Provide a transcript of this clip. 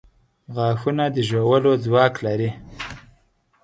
• غاښونه د ژولو ځواک لري.